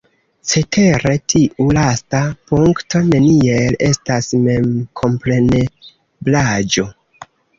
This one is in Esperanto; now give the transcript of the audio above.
Cetere, tiu lasta punkto neniel estas memkompreneblaĵo.